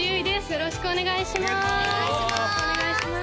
よろしくお願いします